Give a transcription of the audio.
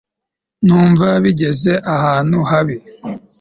numva bigeze ahantu habi